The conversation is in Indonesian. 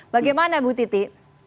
bagaimana bu titi